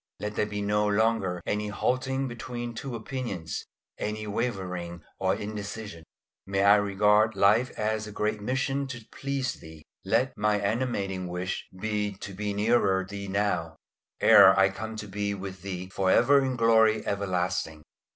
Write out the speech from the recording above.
Let there be no longer any halting between two opinions, any wavering or indecision. May I regard life as a great mission to please Thee. Let my animating wish be to be nearer Thee now, ere I come to be with Thee for ever in glory everlasting.